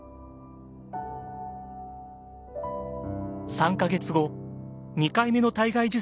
３か月後２回目の体外受精にトライ。